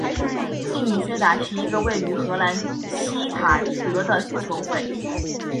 幸运薛达是一个位于荷兰锡塔德的球会。